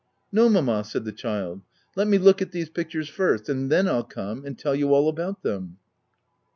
" No, mamma/ 5 said the child ; w let me look at these pictures first; and then I'll come, and tell you all about them."